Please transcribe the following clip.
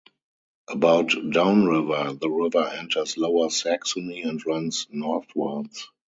About downriver, the river enters Lower Saxony and runs northwards.